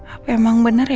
aduh kalau kayak gini terus